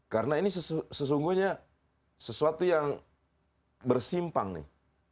karena ini sesungguhnya sesuatu yang bersimpang nih